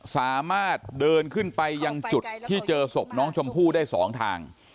สามารถเดินขึ้นไปยังจุดที่เจอศพน้องชมพู่ได้๒ทาง